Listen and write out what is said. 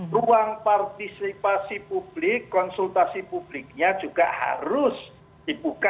ruang partisipasi publik konsultasi publiknya juga harus dibuka